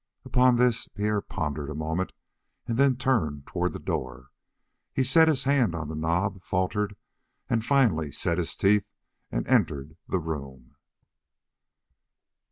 Upon this Pierre pondered a moment, and then turned toward the door. He set his hand on the knob, faltered, and finally set his teeth and entered the room.